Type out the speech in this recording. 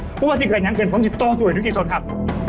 เพราะว่าสิ่งกำลังขึ้นพร้อมจิตโตสูญทุกสิทธิ์ส่วนครับ